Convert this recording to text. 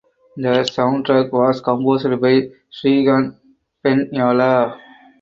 The soundtrack was composed by Srikanth Pendyala.